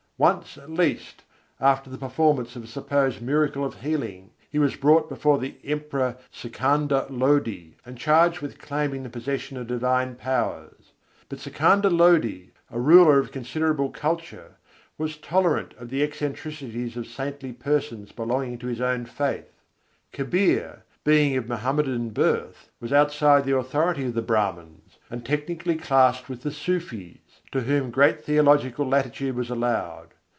Once at least, after the performance of a supposed miracle of healing, he was brought before the Emperor Sikandar Lodi, and charged with claiming the possession of divine powers. But Sikandar Lodi, a ruler of considerable culture, was tolerant of the eccentricities of saintly persons belonging to his own faith. Kabîr, being of Mohammedan birth, was outside the authority of the Brâhmans, and technically classed with the Sûfîs, to whom great theological latitude was allowed.